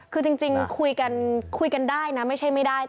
คือจริงคุยกันคุยกันได้นะไม่ใช่ไม่ได้